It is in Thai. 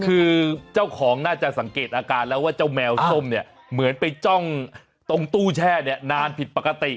คือเจ้าของน่าจะสังเกตอาการแล้วว่าเจ้าแมวส้มเนี่ยเหมือนไปจ้องตรงตู้แช่เนี่ยนานผิดปกติ